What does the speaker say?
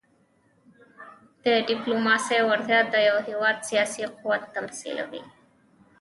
د ډيپلوماسۍ وړتیا د یو هېواد سیاسي قوت تمثیلوي.